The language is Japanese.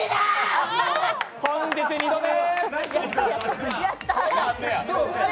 本日２度目。